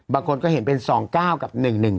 บางคนก็เห็นเป็น๒๙กับ๑๑๒